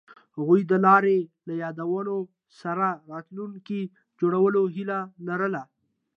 هغوی د لاره له یادونو سره راتلونکی جوړولو هیله لرله.